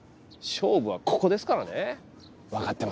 勝負はここですからね！